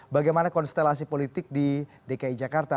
bagaimana konstelasi politik di dki jakarta